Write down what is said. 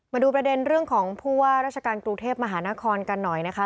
มาดูประเด็นเรื่องของผู้ว่าราชการกรุงเทพมหานครกันหน่อยนะคะ